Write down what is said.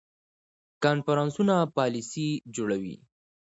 کنفرانسونه پالیسي جوړوي